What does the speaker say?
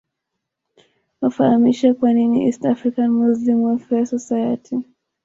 wafahamishwe kwa nini East African Muslim Welfare Society